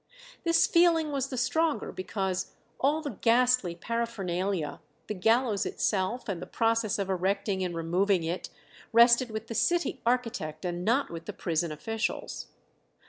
This feeling was the stronger because all the ghastly paraphernalia, the gallows itself and the process of erecting and removing it, rested with the city architect, and not with the prison officials.